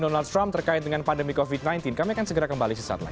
donald trump terkait dengan pandemi covid sembilan belas kami akan segera kembali sesaat lagi